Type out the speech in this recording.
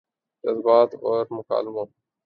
جذبات اور مکالموں